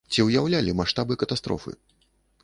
Ці ўяўлялі маштабы катастрофы?